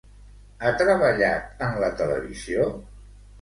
Ha treballat en la televisió?